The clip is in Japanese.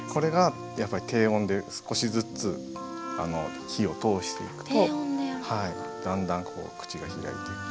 やっぱり低温で少しずつ火を通していくとだんだんこう口が開いていく。